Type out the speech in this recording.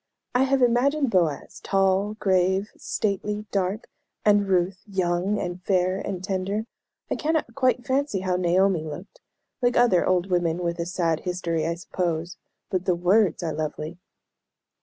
I have imagined Boaz tall, grave, stately, dark; and Ruth young, and fair, and tender. I cannot quite fancy how Naomi looked like other old women with a sad history, I suppose but the words are lovely."